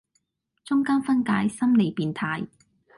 中間分界心理變態